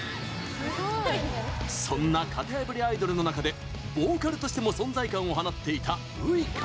そんな型破りアイドルの中でボーカルとしても存在感を放っていたウイカ。